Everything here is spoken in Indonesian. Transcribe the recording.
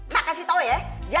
mak kasih tau ya